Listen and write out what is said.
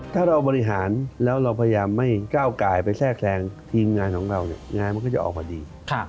ถ้าเราบริหารแล้วเราพยายามไม่ก้าวกายไปแทรกแทรงทีมงานของเราเนี่ยงานมันก็จะออกมาดี